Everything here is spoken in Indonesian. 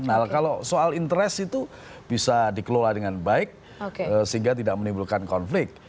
nah kalau soal interest itu bisa dikelola dengan baik sehingga tidak menimbulkan konflik